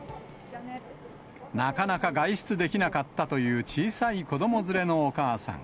なかなか外出できなかったという小さい子ども連れのお母さん。